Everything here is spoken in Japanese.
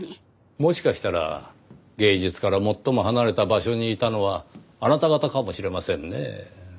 もしかしたら芸術から最も離れた場所にいたのはあなた方かもしれませんねぇ。